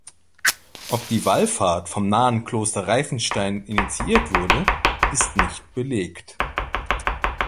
Ob die Wallfahrt vom nahen Kloster Reifenstein initiiert wurde, ist nicht belegt.